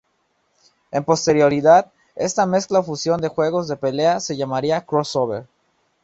En posterioridad esta mezcla o fusión de juegos de pelea se llamaría "Crossover".